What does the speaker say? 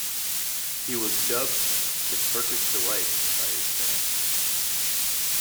He was dubbed "The Turkish Delight" by his fans.